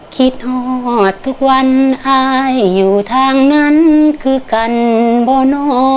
หอดทุกวันอายอยู่ทางนั้นคือกันบ่อนอ